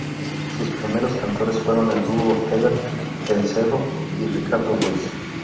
Sus primeros cantores fueron el dúo Ortega del Cerro y Ricardo Ruiz.